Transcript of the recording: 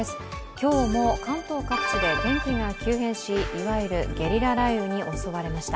今日も関東各地で天気が急変し、いわゆるゲリラ雷雨に襲われました。